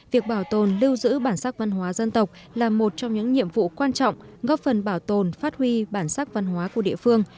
việc bảo tồn lưu giữ bản sắc văn hóa dân tộc là một trong những nhiệm vụ quan trọng góp phần bảo tồn phát huy bản sắc văn hóa của địa phương